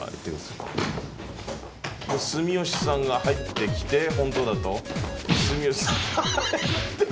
住吉さんが入ってきて本当だと住吉さん。